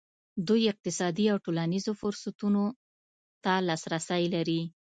دوی اقتصادي او ټولنیزو فرصتونو ته لاسرسی لري.